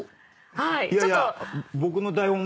いやいや。